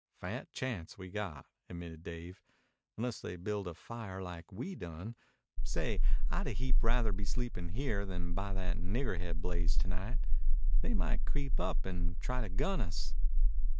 "Fat chance we got," admitted Dave. "Unless they build a fire like we done. Say, I'd a heap rather be sleepin' here than by that niggerhead blaze to night. They might creep up and try to gun us."